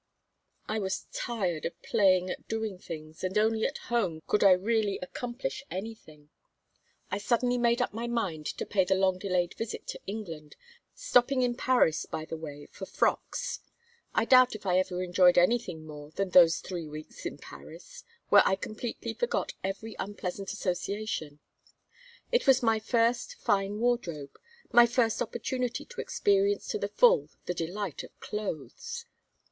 I was tired of playing at doing things, and only at home could I really accomplish anything. I suddenly made up my mind to pay the long delayed visit to England, stopping in Paris by the way for frocks. I doubt if I ever enjoyed anything more than those three weeks in Paris, where I completely forgot every unpleasant association. It was my first fine wardrobe, my first opportunity to experience to the full the delight of clothes.